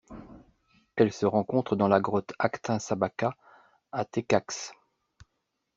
Elle se rencontre dans la grotte Actún Sabacá à Tekax.